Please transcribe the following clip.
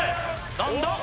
何だ？